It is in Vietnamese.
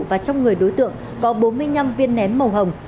và trong người đối tượng có bốn mươi năm viên ném màu hồng